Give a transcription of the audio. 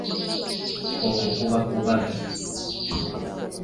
Okwo kuba kubaga.